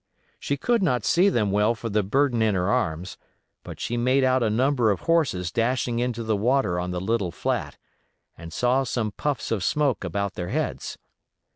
She could not see them well for the burden in her arms, but she made out a number of horses dashing into the water on the little flat, and saw some puffs of smoke about their heads.